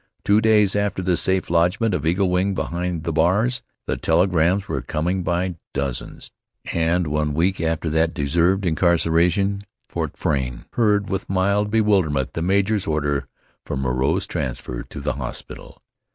Two days after the safe lodgment of Eagle Wing behind the bars, the telegrams were coming by dozens, and one week after that deserved incarceration Fort Frayne heard with mild bewilderment the major's order for Moreau's transfer to the hospital.